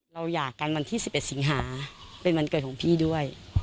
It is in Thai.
เราอยากกันวันที่๑๑สิงหาเป็นวันเกิดของพี่ด้วย